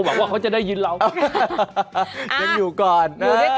อยู่ด้วยกันก่อนอยู่ด้วยกันก่อน